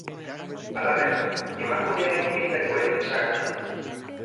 Halaber, emakumearen ibilgailua ere desagertu da.